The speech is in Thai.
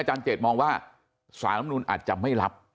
อาจารย์เจศมองว่าสารลำนุนอาจจะไม่รับ